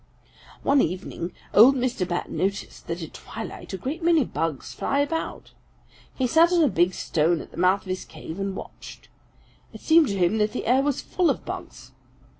"One evening old Mr. Bat noticed that at twilight a great many bugs fly about. He sat on a big stone at the mouth of his cave and watched. It seemed to him that the air was full of bugs.